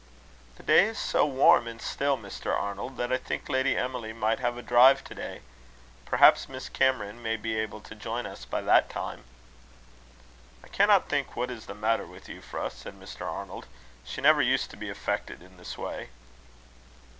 "The day is so warm and still, Mr. Arnold, that I think Lady Emily might have a drive to day. Perhaps Miss Cameron may be able to join us by that time." "I cannot think what is the matter with Euphra," said Mr. Arnold. "She never used to be affected in this way."